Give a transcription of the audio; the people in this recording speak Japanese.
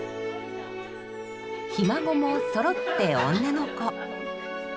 ひ孫もそろって女の子。